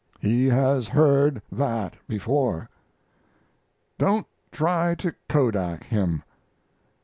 He has heard that before. Don't try to kodak him.